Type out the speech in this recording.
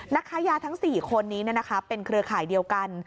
ค้ายาทั้ง๔คนนี้เป็นเครือข่ายเดียวกัน